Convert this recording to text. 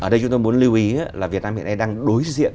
ở đây chúng tôi muốn lưu ý là việt nam hiện nay đang đối diện